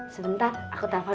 sebentar aku telepon dulu